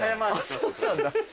そうなんだ。